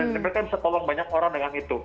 dan mereka bisa tolong banyak orang dengan itu